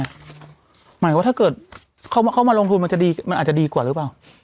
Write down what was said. หมายว่าถ้าเกิดเขามาลงทุนมันจะดีมันอาจจะดีกว่าหรือเปล่า